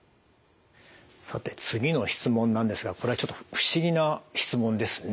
さて次の質問なんですがこれはちょっと不思議な質問ですね。